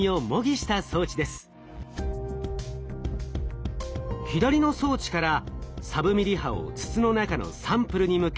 左の装置からサブミリ波を筒の中のサンプルに向け発射。